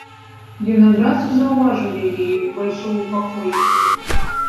Ён адразу заўважыў яе, як увайшоў у пакой.